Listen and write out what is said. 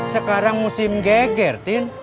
sekarang musim geger tin